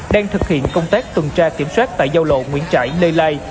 đang thực hiện công tác tuần tra kiểm soát tại giao lộ nguyễn trãi lê lai